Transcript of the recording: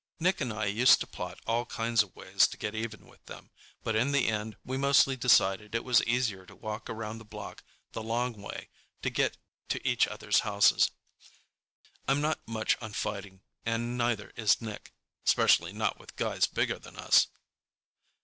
Nick and I used to plot all kinds of ways to get even with them, but in the end we mostly decided it was easier to walk around the block the long way to get to each other's houses. I'm not much on fighting, and neither is Nick—'specially not with guys bigger than us.